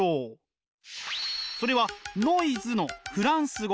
それはノイズのフランス語。